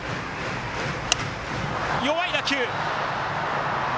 弱い打球。